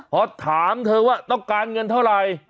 พอถามเธอว่าต้องการเงินเท่าไหร่